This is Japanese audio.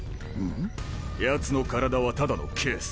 ヤツの体はただのケース。